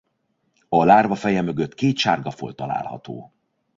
A lárva feje mögött két sárga folt található.